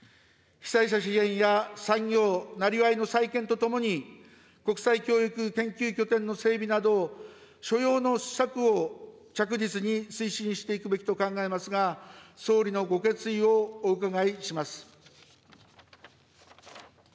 被災者支援や産業・なりわいの再建とともに、国際教育研究拠点の整備など、所要の施策を着実に推進していくべきと考えますが、総理のご決意をお伺いします。